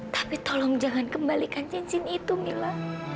tapi tolong jangan kembalikan cincin itu mila